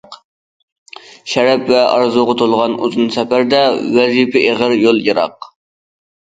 شەرەپ ۋە ئارزۇغا تولغان ئۇزۇن سەپەردە، ۋەزىپە ئېغىر، يول يىراق.